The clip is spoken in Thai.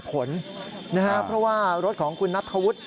คุณภูริพัฒน์บุญนิน